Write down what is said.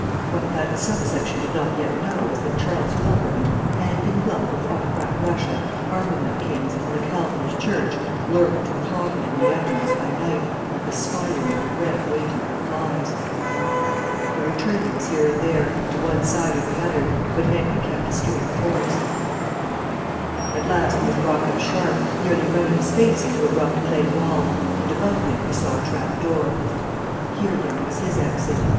What that sub section did not yet know was that Charles Wilbraham, hand in glove with autocrat Russia, armament kings, and the Calvinist church, lurked and plotted in the avenues by night, like the spider in her web waiting for flies. There were turnings here and there, to one side or the other, but Henry kept a straight course. At last he was brought up sharp, nearly running his face into a rough clay wall, and above him he saw a trap door. Here, then, was his exit.